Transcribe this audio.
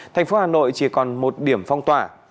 thành phố hà nội chỉ còn một điểm phong tỏa